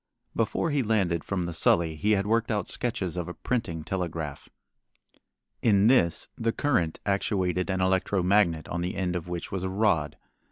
Before he landed from the Sully he had worked out sketches of a printing telegraph. In this the current actuated an electro magnet on the end of which was a rod.